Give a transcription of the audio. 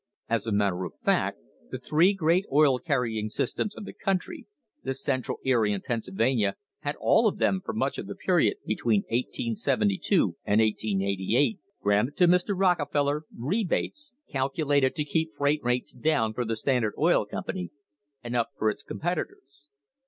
As a matter of fact, the three great oil carrying systems of the country the Cen tral, Erie and Pennsylvania had all of them, for much of the period between 1872 and 1888, granted to Mr. Rocke feller rebates calculated to keep freight rates down for the Standard Oil Company and up for its competitors.